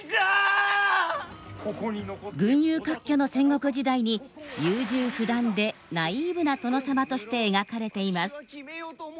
群雄割拠の戦国時代に優柔不断でナイーブな殿様として描かれています。